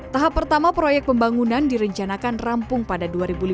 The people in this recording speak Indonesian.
tahap pertama proyek pembangunan direncanakan rampung pada dua ribu lima belas